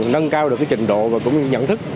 nâng cao được trình độ và cũng nhận thức